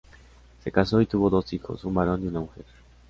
Se casó y tuvo dos hijos, un varón y una mujer.